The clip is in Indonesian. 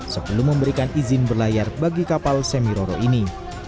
sebelum memberikan izin berlayar bagi kapal semiroro ini